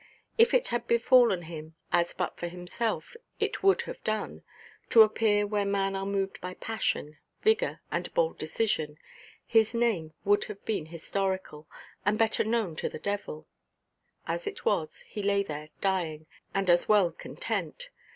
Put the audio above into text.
If it had befallen him—as but for himself it would have done—to appear where men are moved by passion, vigour, and bold decision, his name would have been historical, and better known to the devil. As it was, he lay there dying, and was well content.